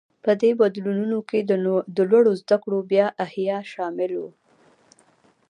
په دې بدلونونو کې د لوړو زده کړو بیا احیا شامل و.